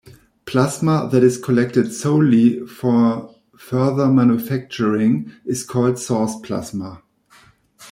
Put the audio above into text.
Plasma that is collected solely for further manufacturing is called Source Plasma.